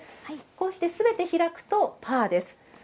こうして、すべて開くとパーです。